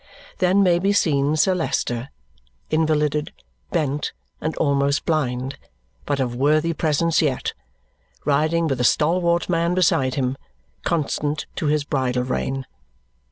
Then may be seen Sir Leicester invalided, bent, and almost blind, but of worthy presence yet riding with a stalwart man beside him, constant to his bridle rein.